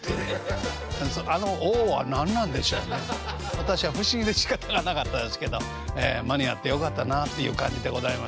私は不思議でしかたがなかったですけど間に合ってよかったなっていう感じでございました。